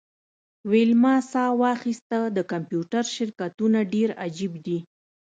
ویلما ساه واخیسته د کمپیوټر شرکتونه ډیر عجیب دي